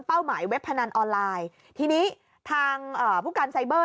หมายเว็บพนันออนไลน์ทีนี้ทางเอ่อผู้การไซเบอร์